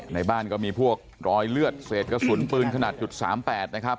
ในบ้านก็มีพวกรอยเลือดเศษกระสุนปืนขนาด๓๘นะครับ